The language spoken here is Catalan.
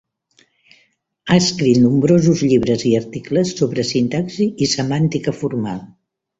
Ha escrit nombrosos llibres i articles sobre sintaxi i semàntica formal.